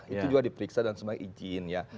itu juga diperiksa dan semuanya izin ya